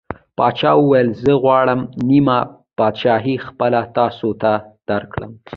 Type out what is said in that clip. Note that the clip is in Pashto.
پاچا وویل: زه غواړم نیمه پادشاهي خپله تاسو ته ورکړم.